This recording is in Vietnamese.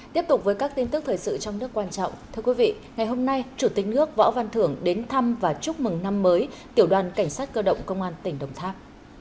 tiếp tục với các tin tức thời sự trong nước quan trọng thưa quý vị ngày hôm nay chủ tịch nước võ văn thưởng đến thăm và chúc mừng năm mới tiểu đoàn cảnh sát cơ động công an tỉnh đồng tháp